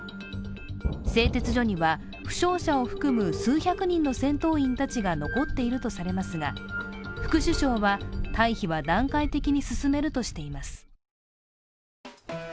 製鉄所には、負傷者を含む数百人の戦闘員たちが残っているとされていますが副首相は退避は段階的に進めるとしています。